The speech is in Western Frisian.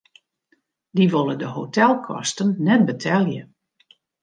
Dy wolle de hotelkosten net betelje.